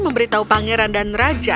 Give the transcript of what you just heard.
memberitahu pangeran dan raja